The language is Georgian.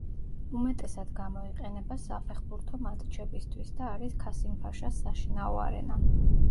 უმეტესად გამოიყენება საფეხბურთო მატჩებისთვის და არის „ქასიმფაშას“ საშინაო არენა.